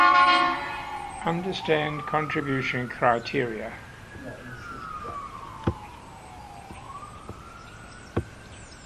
The first issues were overstamps on Yugoslav banknotes.